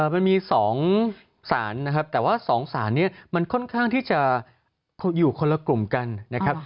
มันมี๒สารนะครับแต่ว่า๒สารนี้มันค่อนข้างที่จะอยู่คนละกลุ่มกันนะครับ